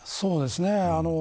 そうですね。